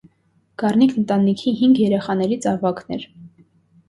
Գառնիկն ընտանիքի հինգ երեխաներից ավագն էր։